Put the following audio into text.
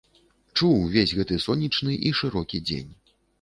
Чуў увесь гэты сонечны і шырокі дзень.